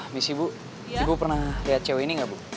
miss ibu ibu pernah lihat cewek ini gak bu